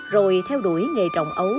rồi theo đuổi nghề trồng ấu